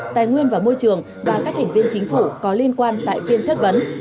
tài nguyên và môi trường và các thành viên chính phủ có liên quan tại phiên chất vấn